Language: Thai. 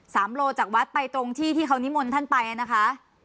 โลจากวัดไปตรงที่ที่เขานิมนต์ท่านไปอ่ะนะคะ